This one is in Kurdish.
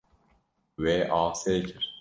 We asê kir.